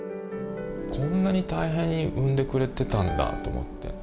こんなに大変に産んでくれてたんだと思って。